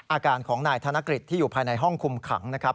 อาการของนายธนกฤษที่อยู่ภายในห้องคุมขังนะครับ